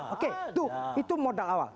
oke itu modal awal